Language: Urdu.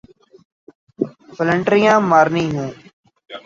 فلنٹریاں مارنی ہوں۔